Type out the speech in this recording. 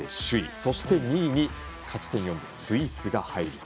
そして２位に勝ち点４のスイスが入ると。